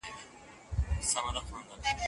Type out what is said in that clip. دغه نرمغالی دونه ښکلی دی چي هر څوک یې غواړي.